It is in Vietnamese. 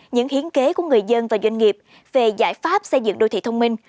những hiến kế của người dân và doanh nghiệp về giải pháp xây dựng đô thị thông minh